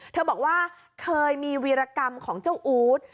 เธอบอกว่าเคยมีวีรกรรมของเจ้าอู๊ด